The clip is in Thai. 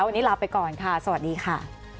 วันนี้ลาไปก่อนค่ะสวัสดีค่ะ